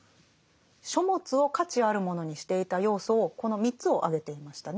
「書物を価値あるものにしていた要素」をこの３つを挙げていましたね。